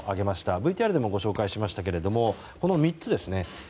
ＶＴＲでもご紹介しましたがこの３つです。